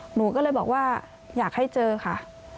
หนูก็เลยบอกว่าอยากให้เจอค่ะ